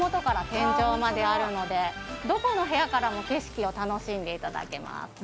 天井まであるのでどこの部屋からも景色を楽しんでいただけます